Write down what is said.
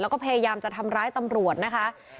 แล้วก็พยายามจะทำร้ายตำรวจนะคะ